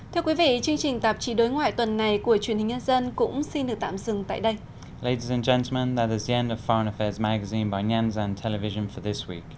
thưa quý vị chương trình tạp chí đối ngoại tuần này của truyền hình nhân dân cũng xin được tạm dừng tại đây